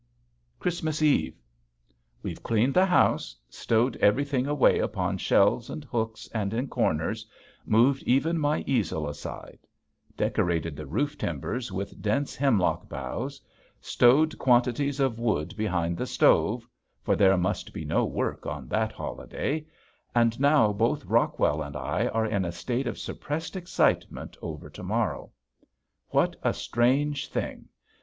Christmas Eve! We've cleaned house, stowed everything away upon shelves and hooks and in corners, moved even my easel aside; decorated the roof timbers with dense hemlock boughs, stowed quantities of wood behind the stove for there must be no work on that holiday and now both Rockwell and I are in a state of suppressed excitement over to morrow. What a strange thing!